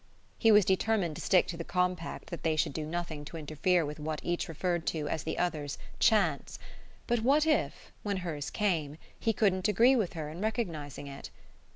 He was determined to stick to the compact that they should do nothing to interfere with what each referred to as the other's "chance"; but what if, when hers came, he couldn't agree with her in recognizing it?